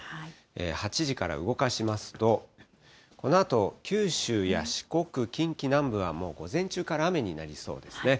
８時から動かしますと、このあと九州や四国、近畿南部はもう、午前中から雨になりそうですね。